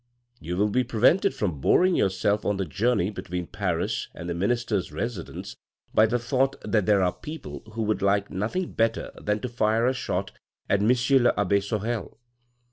" You will be prevented from boring yourself on the journey between Paris and the minister's residence by the thought that there are people who would like nothing better than to fire a shot at M. the abbe Sorel.